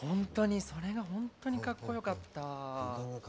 それが本当にかっこよかった。